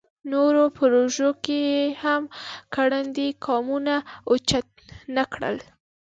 نورو پروژو کې یې هم ګړندي ګامونه اوچت نکړل.